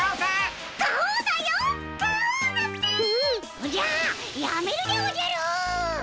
おじゃっやめるでおじゃるっ！